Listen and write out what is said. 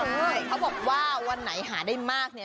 ใช่เขาบอกว่าวันไหนหาได้มากเนี่ย